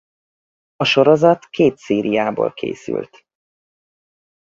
A sorozat két szériából készült.